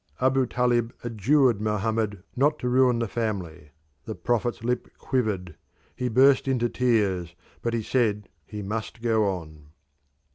Abu Talib adjured Mohammed not to ruin the family. The prophet's lip quivered: he burst into tears, but he said he must go on.